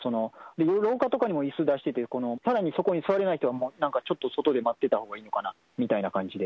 廊下とかにもいす出してて、さらにそこに座れない人はなんかちょっと外で待ってたほうがいいのかなみたいな感じで。